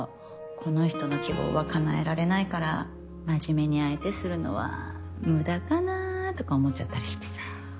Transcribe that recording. この人の希望はかなえられないから真面目に相手するのは無駄かなとか思っちゃったりしてさ。